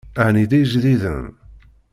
Ɛni d ijdiden?